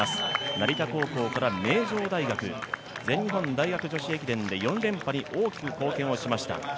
成田高校から名城大学、全日本大学女子駅伝で４連覇に大きく貢献しました。